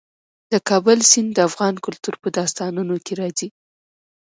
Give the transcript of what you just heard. د کابل سیند د افغان کلتور په داستانونو کې راځي.